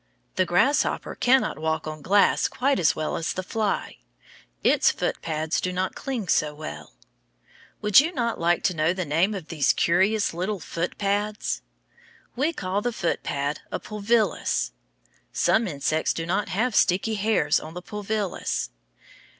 The grasshopper cannot walk on glass quite as well as the fly. Its foot pads do not cling so well. Would you not like to know the name of these curious little foot pads? We call the foot pad a pulvillus. Some insects do not have sticky hairs on the pulvillus.